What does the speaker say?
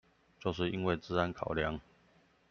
就是因為資安考量